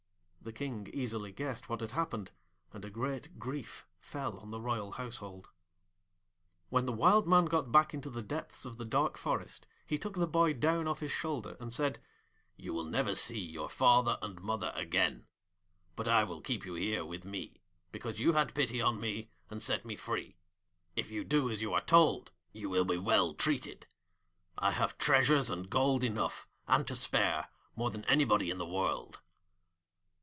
The King easily guessed what had happened, and great grief fell on the royal household. When the Wild Man got back into the depths of the dark forest he took the boy down off his shoulder, and said, 'You will never see your father and mother again; but I will keep you here with me, because you had pity on me and set me free. If you do as you are told, you will be well treated. I have treasures and gold enough and to spare, more than anybody in the world.'